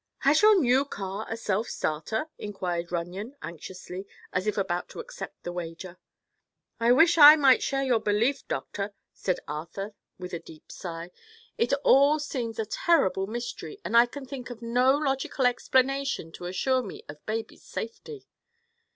"Has your new car a self starter?" inquired Runyon anxiously, as if about to accept the wager. "I wish I might share your belief, Doctor," said Arthur with a deep sigh. "It all seems a terrible mystery and I can think of no logical explanation to assure me of baby's safety."